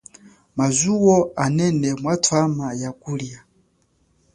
Mazuwo anene, mwatwama ya kulia.